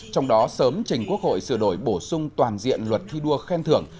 trong đó sớm trình quốc hội sửa đổi bổ sung toàn diện luật thi đua khen thưởng